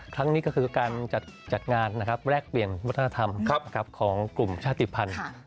ครั้งนี้ก็คือการจัดงานแลกเปลี่ยนวัฒนธรรมของกลุ่มชาติภัณฑ์